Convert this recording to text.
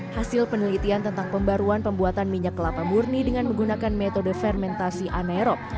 hasil penelitian tentang pembaruan pembuatan minyak kelapa murni dengan menggunakan metode fermentasi anaerob